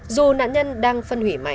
dù nạn nhân đang phân hủy